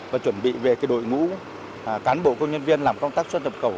và chuẩn bị về đội ngũ cán bộ công nhân viên làm công tác xuất nhập khẩu